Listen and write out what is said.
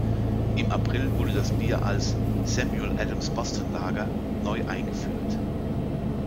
Im April wurde das Bier als "Samuel Adams Boston Lager" neu eingeführt.